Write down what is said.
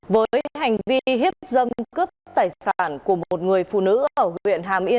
với hành vi hiếp dâm cướp tài sản của một người phụ nữ ở huyện hàm yên